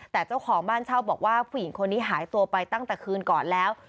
แต่เจ้าของบ้านเช่าบอกว่าผู้หญิงคนนี้หายตัวไปตั้งแต่คืนก่อนแล้ว